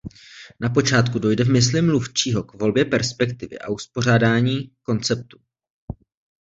Na počátku dojde v mysli mluvčího k volbě perspektivy a uspořádání konceptů.